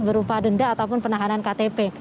berupa denda ataupun penahanan ktp